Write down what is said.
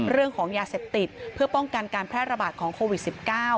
เรื่องของยาเสพติดเพื่อป้องกันการแพร่ระบาดของโควิด๑๙